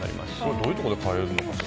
どういうところで買えるんですか？